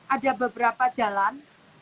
ada beberapa jalan